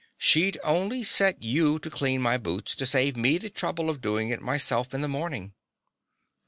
She'd only set you to clean my boots, to save me the trouble of doing it myself in the morning.